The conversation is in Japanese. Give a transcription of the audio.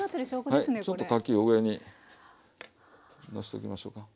はいちょっとかき上にのしときましょか。